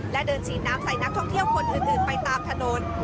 และเดินฉีดน้ำใส่นักท่องเที่ยวคนอื่นไปตามถนน